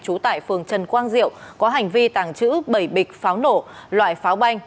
trú tại phường trần quang diệu có hành vi tàng trữ bảy bịch pháo nổ loại pháo banh